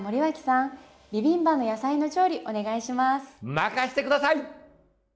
任して下さい！